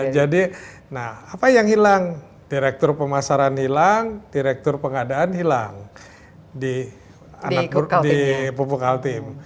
jadi nah apa yang hilang direktur pemasaran hilang direktur pengadaan hilang di pupuk kaltim